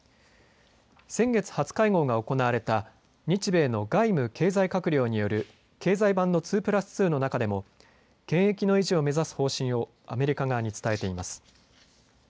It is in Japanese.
先月、初会合が行われた日米の外務、経済閣僚による経済版の２プラス２の中でも権益の維持を目指す方針をアメリカ側に伝えています。